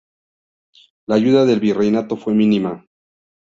La ayuda del virreinato fue mínima.